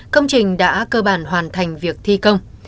công trình đã cơ bản hoàn thành việc thi công